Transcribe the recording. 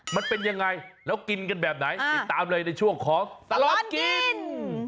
มันเป็นยังไงแล้วกินกันแบบไหนติดตามเลยในช่วงของตลอดกิน